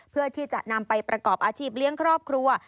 เพื่อที่จะนำไปประกอบอาชีพเลี้ยงครอบครัว